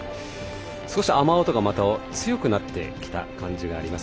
少し雨音がまた強くなってきた感じがあります。